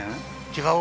違う？